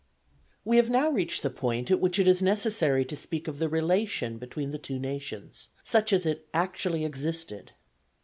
We have now reached the point at which it is necessary to speak of the relation between the two nations, such as it actually existed.